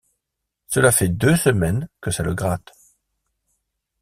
Cela fait deux semaines que ça le gratte.